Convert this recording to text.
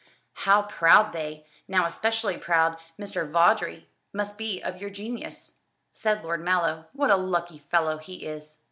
"How proud they how especially proud Mr. Vawdrey must be of your genius," said Lord Mallow. "What a lucky fellow he is."